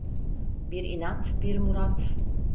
Bir inat, bir murat.